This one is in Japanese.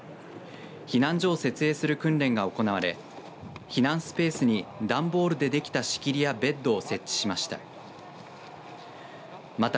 避難所を設営する訓練が行われ避難スペースにダンボールでできた、仕切りやベッドを設置しました。